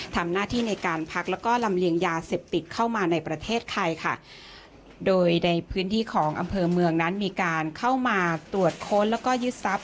ทำหน้าที่ในการพักแล้วก็ลำเลียงยาเสพติดเข้ามาในประเทศไทยค่ะโดยในพื้นที่ของอำเภอเมืองนั้นมีการเข้ามาตรวจค้นแล้วก็ยึดทรัพย